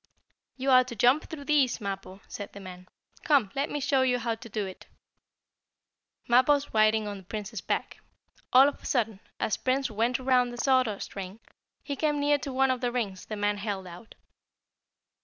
"You are to jump through these, Mappo," said the man. "Come, let me see how you can do it." Mappo was riding on Prince's back. All of a sudden, as Prince went around the sawdust ring, he came near to one of the rings the man held out.